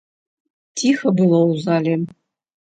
Ціха было ў залі.